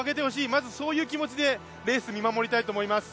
まずそういう気持ちでレース見守りたいと思います。